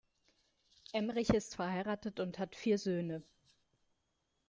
Emrich ist verheiratet und hat vier Söhne.